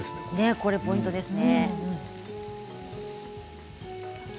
これがポイントですね。